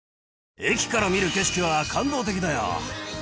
駅から見る景色は感動的だよ！